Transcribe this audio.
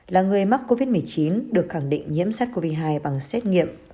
là người mắc covid một mươi chín được khẳng định nhiễm sát covid hai bằng xét nghiệm